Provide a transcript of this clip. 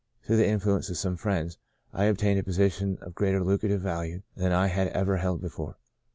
Through the influence of some friends I obtained a posi tion of greater lucrative value than I had ever held before.